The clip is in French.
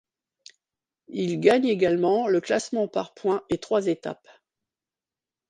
Il gagne également le classement par point et trois étapes.